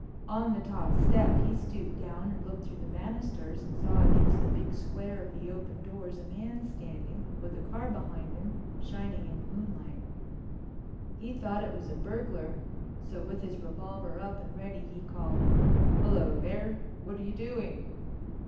On the top step he stooped down and looked through the banisters, and saw against the big square of the open doors a man standing, with a car behind him shining in the moonlight. He thought it was a burglar, so, with his revolver up and ready, he called: "Hello, there. What are you doing?"